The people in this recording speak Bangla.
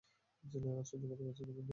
আর সহ্য করতে পারছি না, পোন্নি।